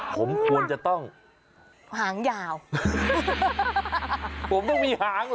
ผมต้องมีหางเหรอ